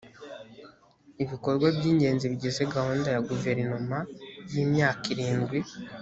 ibikorwa by’ingezi bigize gahunda ya guverinoma y ‘imyaka irindwi